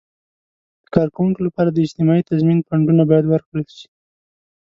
د کارکوونکو لپاره د اجتماعي تضمین فنډونه باید ورکړل شي.